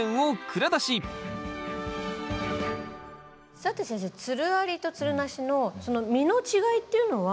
さて先生つるありとつるなしのその実の違いっていうのは。